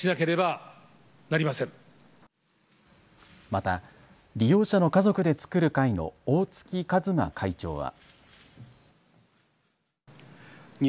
また、利用者の家族で作る会の大月和真会長は。